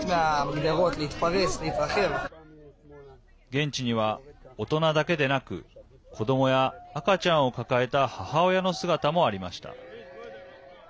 現地には大人だけでなく子どもや赤ちゃんを抱えた母親の姿もありました。